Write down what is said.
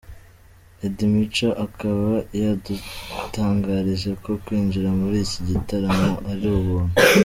Eddie Mico akaba yadutangarije ko kwinjira muri iki gitaramo ari ubuntu.